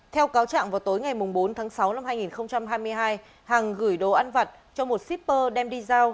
theo cáo trạng vào tối ngày bốn tháng sáu năm hai nghìn hai mươi hai hằng gửi đồ ăn vặt cho một shipper đem đi giao